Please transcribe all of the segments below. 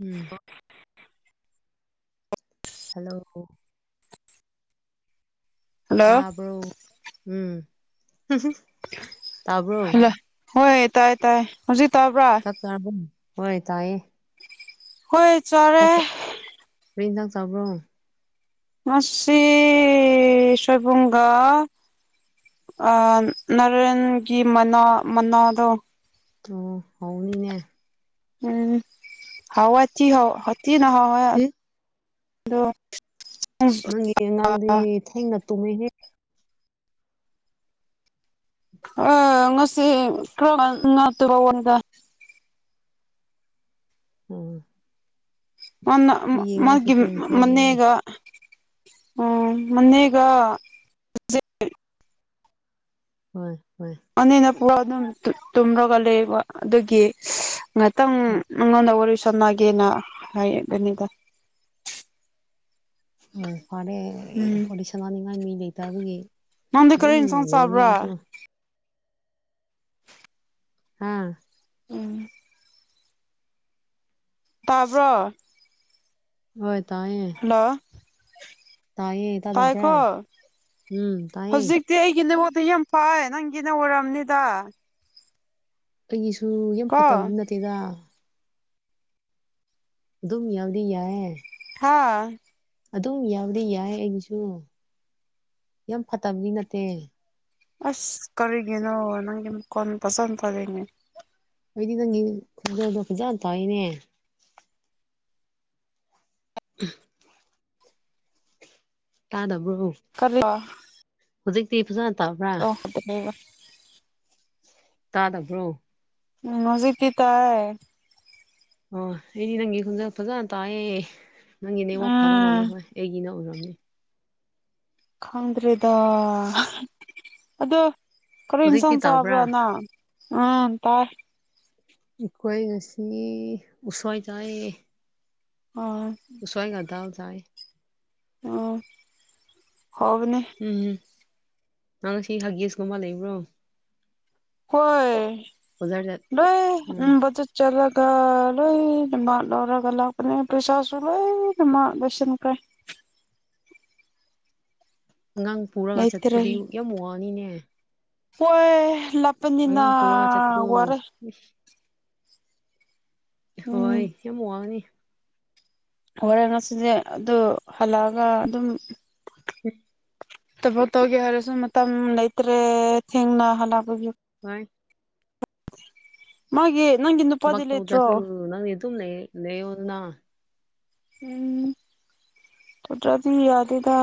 ꯎꯝ hello hello ꯇꯔꯕꯣ ꯎꯝ ꯇꯥꯕ꯭ꯔꯣ ꯍꯜꯂ ꯍꯣꯏ ꯇꯥꯏ ꯇꯥꯏ ꯍꯧꯖꯤꯛ ꯇꯥꯕ꯭ꯔꯥ ꯑꯣꯏ ꯇꯥꯌꯦ ꯍꯣꯏ ꯆꯔꯦ ꯀꯔꯤ ꯍꯤꯟꯖꯥꯡ ꯆꯕꯔꯣ ꯃꯁꯤꯁꯤ ꯁꯣꯏꯕꯨꯡꯒꯥ ꯅꯔꯦꯟꯒꯤ ꯃꯅꯥ ꯃꯅꯥꯗꯣ ꯇꯣ ꯍꯧꯅꯤꯅꯦ ꯎꯝ ꯍꯋꯥꯏ ꯇꯤ ꯇꯤꯅ ꯍꯋꯥꯏ ꯍꯦ ꯑꯗꯣ ꯑꯗꯨꯒꯤ ꯅꯪꯒꯤ ꯑꯉꯥꯡꯗꯤ ꯊꯦꯡꯅ ꯇꯨꯝꯉꯩꯍꯦ ꯑ ꯉꯁꯤ ꯀ꯭ꯔꯃ ꯅꯠꯇꯕꯎꯟꯗ ꯎꯝ ꯃꯅ ꯑꯩꯒꯤ ꯑꯉꯥꯡꯁꯨ ꯃꯥꯒꯤ ꯇꯨꯝꯈ꯭ꯔꯦ ꯃꯅꯦꯒ ꯎꯝ ꯃꯟꯅꯒ ꯍꯣꯏ ꯍꯣꯏ ꯑꯅꯤꯅ ꯄꯨ ꯑꯗꯨꯝ ꯇꯨꯝꯔꯒ ꯂꯩꯕ ꯑꯗꯨꯒꯤ ꯉꯍꯥꯛꯇꯪ ꯍꯣꯏ ꯅꯉꯣꯟꯗ ꯋꯥꯔꯤ ꯁꯥꯟꯅꯒꯦꯅ ꯍꯥꯏꯕꯅꯤꯗ ꯐꯔꯦ ꯎꯝ ꯍꯗꯤ ꯁꯅꯥꯅꯤꯡꯉꯥꯏ ꯃꯤ ꯂꯩꯇꯕꯒꯤ ꯅꯪꯗꯤ ꯑꯗꯨꯝ ꯀꯔꯤ ꯏꯟꯁꯥꯡ ꯂꯩꯅꯦ ꯆꯥꯕ꯭ꯔꯥ ꯑꯩꯁꯨ ꯍꯥꯥ ꯎꯝ ꯇꯥꯕ꯭ꯔꯣ ꯍꯣꯏ ꯇꯥꯏꯑꯌꯦꯦ ꯅ ꯇꯥꯏꯌꯦ ꯇꯥꯗꯕ꯭ꯔꯥ ꯎꯝ ꯇꯥꯏꯌꯦ ꯏꯦ ꯑꯩꯒꯤꯅꯦ ꯑꯣꯠꯇꯣ ꯌꯥꯝ ꯐꯩ ꯅꯪꯒꯤꯅ ꯑꯣꯏꯔꯝꯅꯤꯗ ꯑꯩꯒꯤꯁꯨ ꯌꯥꯝ ꯀꯣ ꯐꯠꯇꯕꯗꯤ ꯅꯠꯇꯦꯗ ꯑꯗꯨꯝ ꯌꯥꯎꯗꯤ ꯌꯥꯑꯦ ꯍꯥꯥ ꯑꯗꯨꯝ ꯌꯥꯕꯗꯤ ꯌꯥꯏ ꯑꯩꯒꯤꯁꯨ ꯌꯥꯝ ꯐꯠꯇꯕꯗꯤ ꯅꯠꯇꯦ ꯑꯁ ꯀꯔꯤꯒꯦꯅꯣ ꯅꯪꯒꯤ ꯀꯣꯟꯣꯟ ꯄꯁꯥꯟ ꯐꯔꯦꯡꯅꯦ ꯑꯩꯗꯤ ꯅꯪꯒꯤ ꯈꯗꯗꯣ ꯐꯖꯅ ꯇꯧꯏꯅꯦ [unintelligible] ꯇꯥꯟꯗꯕ꯭ꯔꯣ ꯀ [unintelligible] ꯍꯧꯖꯤꯛꯇꯤ ꯐꯖꯅ ꯇꯥꯕ꯭ꯔꯥ ꯕ [unintelligible] ꯇꯥꯗꯕ꯭ꯔꯣ ꯎꯝ ꯍꯧꯖꯤ ꯀ ꯇꯥꯏ ꯑꯣ ꯑꯦꯅꯤ ꯅꯪꯦ ꯈꯨꯖ ꯐꯖꯥ ꯇꯥꯌꯦ ꯅꯪꯒꯤ ꯅꯦꯋꯥꯛ ꯐꯕ ꯃꯥꯜꯂꯦ ꯎꯝ ꯍꯣꯏ ꯑꯩꯒꯤꯅ ꯎꯔꯝꯅꯤ ꯈꯥꯡꯗ꯭ꯔꯦꯗ ꯑꯗ ꯀꯔ ꯍꯧꯖꯤꯛꯇꯤ ꯏꯟꯁꯣꯟ ꯆꯕ ꯇꯥꯕ꯭ꯔꯥ ꯄꯨꯔꯅ ꯎꯝ ꯇꯥꯏ ꯑꯩꯈꯣꯏ ꯉꯁꯤ ꯎꯁꯣꯏ ꯇꯥꯏ ꯑꯣ ꯆꯣꯏꯒꯗꯇꯥ ꯍꯥꯎ ꯆꯥꯏ ꯎ ꯍꯣꯕꯅꯦ ꯎꯝꯝ ꯅꯪꯅ ꯁꯤ ꯍꯒꯦꯁꯀꯨꯝꯕ ꯂꯩꯕ꯭ꯔꯣ ꯍꯣꯏ ꯕꯖꯥꯔꯗ ꯂꯣꯏ ꯎꯝ ꯎꯔ ꯆꯠꯂꯒ ꯂꯣꯏꯅꯃꯠ ꯂꯧꯔꯒ ꯂꯥꯛꯄꯅꯦ ꯄꯩꯁꯥꯁꯨ ꯂꯣꯏꯅ ꯃꯥ ꯂꯣꯏꯁꯤꯟꯈ꯭ꯔꯦ ꯑꯉꯥꯡ ꯄꯨꯔꯒ ꯂꯩꯇ꯭ꯔꯦ ꯆꯠꯄꯗꯤ ꯌꯥꯝ ꯋꯥꯅꯤꯅꯦ ꯍꯣꯏꯦ ꯂꯄꯅꯤꯅ ꯑꯉꯥꯡ ꯄꯨꯔꯒ ꯆꯠꯄꯗꯨ ꯋꯥꯔ ꯎꯝ ꯍꯣꯏ ꯌꯥꯝ ꯋꯥꯡꯒꯅꯤ ꯍꯣꯔꯦꯟ ꯉꯁꯤꯁꯦ ꯑꯗꯨ ꯍꯜꯂꯛꯑꯒ ꯑꯗꯨꯝ ꯎꯝ ꯊꯕꯣ ꯇꯧꯒꯦ ꯍꯥꯏꯔꯁꯨ ꯃꯇꯝ ꯂꯩꯇ꯭ꯔꯦ ꯊꯦꯡꯅ ꯍꯜꯂꯛꯄꯒꯤ ꯍ ꯃꯥꯦ ꯅꯪ ꯊꯕ ꯇꯧꯗ꯭ꯔꯁꯨ ꯅꯪ ꯅ ꯑꯗꯨ ꯅ ꯂꯩ ꯑꯣꯅ ꯎꯝ ꯊꯇꯥꯕꯤ ꯌꯥꯗꯦꯗ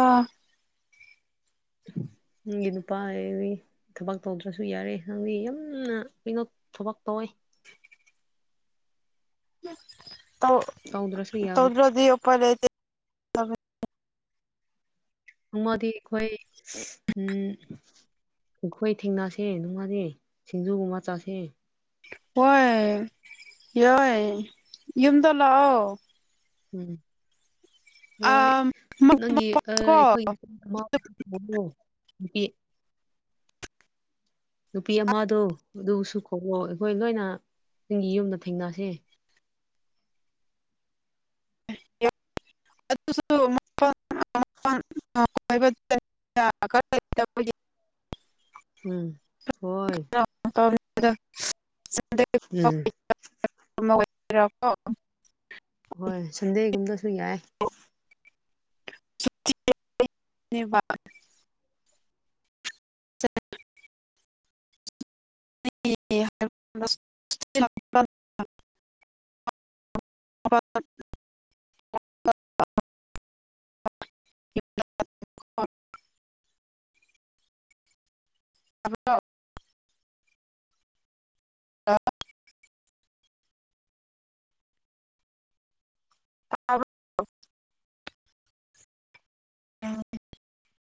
ꯅꯪꯒ ꯅꯨꯄꯥ ꯍꯥꯏꯕꯤ ꯊꯕꯛ ꯇꯧꯗ꯭ꯔꯁꯨ ꯌꯥꯔꯦ ꯈꯪꯗꯤꯦ ꯌꯥꯝꯅ ꯀꯩꯅꯣ ꯊꯕꯛ ꯇꯧꯋꯦ ꯇꯧ ꯇꯧꯗ꯭ꯔꯁꯨ ꯌꯥꯕꯅꯤ ꯇꯧꯗ꯭ꯔꯗꯤꯄꯔ ꯂꯩ ꯎꯃꯗꯤ ꯑꯩꯈꯣꯏ ꯎꯝ ꯑꯈꯣꯏ ꯊꯦꯡꯅꯁꯦ ꯅꯨꯡꯉꯥꯗꯤ ꯁꯤꯡꯖꯨꯒꯨꯝꯕ ꯆꯁꯦ ꯍꯣꯏ ꯌꯥꯏꯑꯦ ꯌꯨꯝꯗ ꯂꯥꯛꯑꯣ꯫ ꯎꯝ ꯍꯣꯏ ꯑꯥ ꯅꯪꯒꯤ ꯑ ꯀꯣ ꯑꯈꯣꯏꯒꯤ [unintelligible] ꯅꯨꯄꯤ ꯑꯃꯗꯣ ꯑꯗꯨꯁꯨ ꯈꯣꯡꯂꯑꯣ ꯑꯈꯣꯏ ꯂꯣꯏꯅ ꯅꯤꯡꯒꯤ ꯌꯨꯝꯗ ꯊꯦꯡꯅꯁꯦ꯫ ꯑꯗꯨꯁꯨ [unintelligible] [unintelligible] ꯎꯝ ꯍꯣꯏ [unintelligible] ꯎꯝ [unintelligible] ꯑꯣꯏꯀꯣ ꯍꯣꯏ ꯁꯟꯗꯦꯒꯨꯝꯗ ꯑꯗꯨ ꯌꯥꯏ [unintelligible] ꯆꯠ [unintelligible] [unintelligible] [unintelligible] ꯑ [unintelligible] [unintelligible] ꯑ [unintelligible] ꯑꯥ [unintelligible] [unintelligible] [unintelligible]